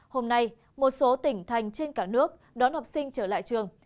hôm nay một số tỉnh thành trên cả nước đón học sinh trở lại trường